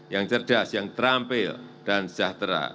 yang cerdas yang terampil dan sejahtera